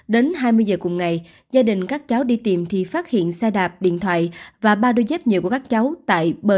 đến hai mươi giờ cùng ngày gia đình các cháu đi tìm thì phát hiện xe đạp điện thoại và ba đôi dép nhựa của các cháu tại bờ